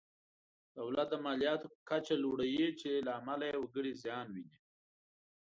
دولت د مالیاتو کچه لوړوي چې له امله یې وګړي زیان ویني.